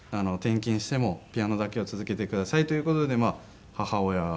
転勤してもピアノだけは続けてくださいという事で母親